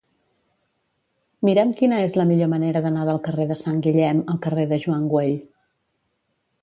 Mira'm quina és la millor manera d'anar del carrer de Sant Guillem al carrer de Joan Güell.